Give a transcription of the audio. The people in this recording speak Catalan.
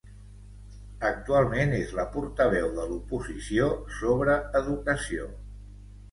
Actualment és la portaveu de l'oposició sobre educació.